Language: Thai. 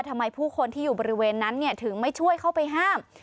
ทำไมผู้คนที่อยู่บริเวณนั้นถึงไม่ช่วยเข้าไปห้าม